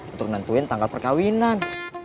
untuk nentuin tanggal perkawinan